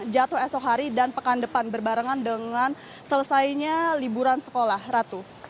jatuh esok hari dan pekan depan berbarengan dengan selesainya liburan sekolah ratu